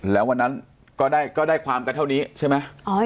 แล้ววันนั้นก็ได้ความกันเท่านี้ใช่ไหม